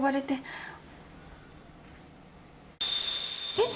えっ？